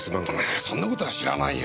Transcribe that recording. そんな事は知らないよ。